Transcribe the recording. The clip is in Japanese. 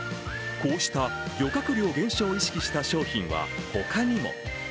こうした漁獲量減少を意識した商品はほかにも。